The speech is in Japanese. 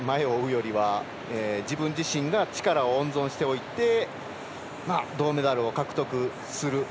ここは本当に前を追うよりは自分自身が力を温存しておいて銅メダルを獲得する。